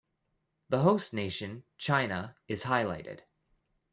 The host nation, China, is highlighted.